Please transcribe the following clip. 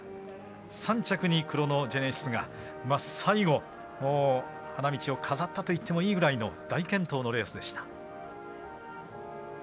３着にクロノジェネシスが最後、花道を飾ったといってもいいぐらいの大健闘のレースでした。